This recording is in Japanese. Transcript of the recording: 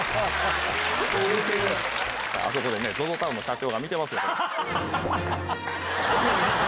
あそこでねＺＯＺＯＴＯＷＮの社長が見てますよ。